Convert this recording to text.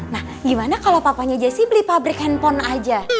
nah gimana kalau papanya jessi beli pabrik handphone aja